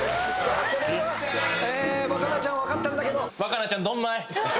わかなちゃん分かったんだけど。